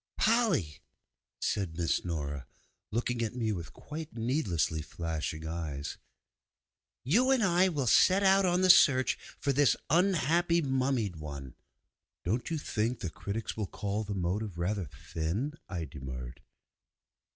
'Polly!' said Miss Nora, looking at me with quite needlessly flashing eyes, 'you and I will set out on the search for this unhappy mummied one.' 'Don't you think the critics will call the motive rather thin?' I demurred.